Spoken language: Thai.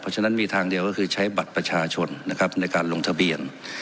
เพราะฉะนั้นมีทางเดียวก็คือใช้บัตรประชาชนนะครับในการลงทะเบียน